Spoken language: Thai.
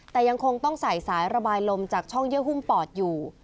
แต่ยังคงต้องใส่สายระบายลมจากช่องเยื่อหุ้มปอดอยู่